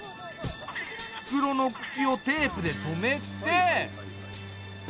袋の口をテープで留めて。